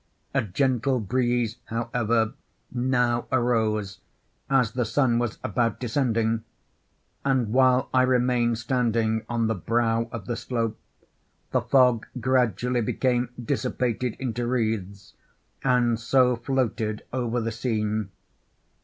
A gentle breeze, however, now arose, as the sun was about descending; and while I remained standing on the brow of the slope, the fog gradually became dissipated into wreaths, and so floated over the scene.